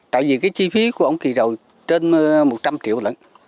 tại vì cái chi phí của ông thì rồi trên một trăm triệu lận